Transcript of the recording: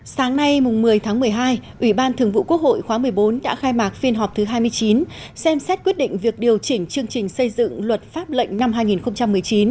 sáng nay một mươi tháng một mươi hai ủy ban thường vụ quốc hội khóa một mươi bốn đã khai mạc phiên họp thứ hai mươi chín xem xét quyết định việc điều chỉnh chương trình xây dựng luật pháp lệnh năm hai nghìn một mươi chín